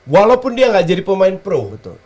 walaupun dia gak jadi pemain pro